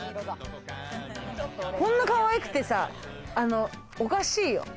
こんなかわいくてさ、おかしいよ。